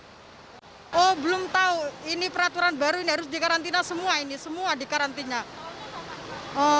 oh belum tahu ini peraturan baru ini harus dikarantina semua ini semua dikarantina